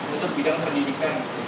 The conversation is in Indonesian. untuk bidang pendidikan